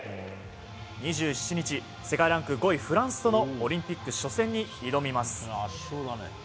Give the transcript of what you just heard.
２７日世界ランク５位のフランスとのオリンピック初戦に挑みます。